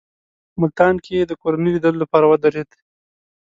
ملتان کې یې د کورنۍ لیدلو لپاره ودرېد.